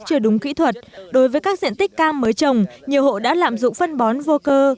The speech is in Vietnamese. chưa đúng kỹ thuật đối với các diện tích cam mới trồng nhiều hộ đã lạm dụng phân bón vô cơ